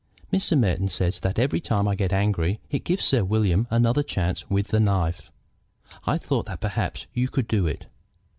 Mr. Merton says that every time I get angry it gives Sir William another chance with the knife. I thought that perhaps you could do it."